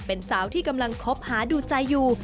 เป็นสาวที่กำลังคบหาดูใจอยู่